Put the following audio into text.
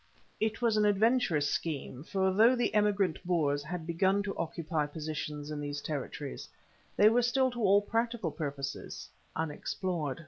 It was an adventurous scheme, for though the emigrant Boers had begun to occupy positions in these territories, they were still to all practical purposes unexplored.